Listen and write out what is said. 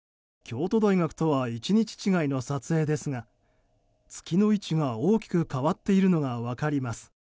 京都大学とは１日違いの撮影ですが月の位置が大きく変わっているのが分かります。